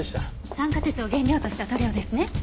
酸化鉄を原料とした塗料ですね。